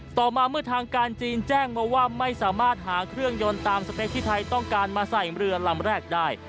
ต่อมาเมื่อทางการจีนแจ้งมาว่าไม่สามารถหาเครื่องยนต์ตามสเปคที่ไทยต้องการมาใส่เรือลำแรกได้